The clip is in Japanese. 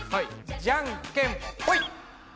じゃんけんぽい。